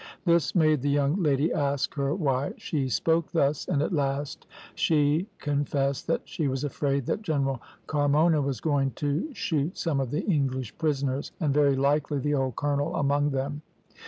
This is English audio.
This made the young lady ask her why she spoke thus, and at last she confessed that she was afraid that General Carmona was going to shoot some of the English prisoners, and very likely the old colonel among them.